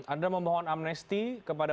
anda memohon amnesti kepada